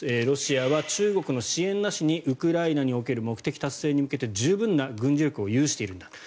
ロシアは中国の支援なしにウクライナにおける目的達成に向けて十分な軍事力を有しているんだ